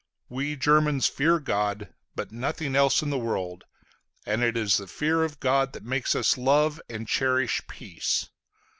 We Germans fear God, but nothing else in the world; and it is the fear of God that makes us love and cherish peace.